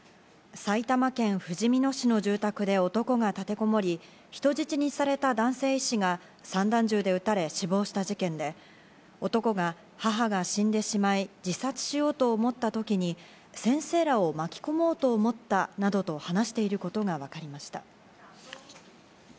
埼玉県ふじみ野市の住宅で男が立てこもり、人質にされた男性医師が散弾銃で打たれ、死亡した事件で、男が、母が死んでしまい自殺しようと思った時に、先生らを巻き込もうと思ったなどと話していることがわかりました。